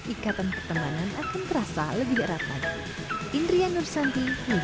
ikatan pertemanan akan terasa lebih rapat